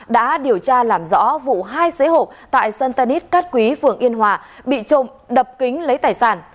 đã điều tra làm rõ vụ hai xế hộp tại sân tân hít cát quý phường yên hòa bị trộm đập kính lấy tài sản